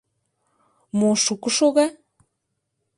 Мо шуко шога?